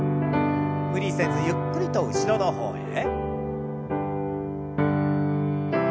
無理せずゆっくりと後ろの方へ。